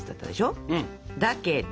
だけど。